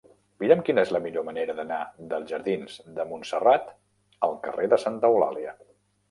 Mira'm quina és la millor manera d'anar dels jardins de Montserrat al carrer de Santa Eulàlia.